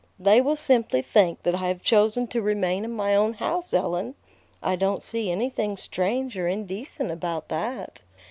"They will simply think that I have chosen to remain in my own house, Ellen. I don't see anything strange or indecent about that."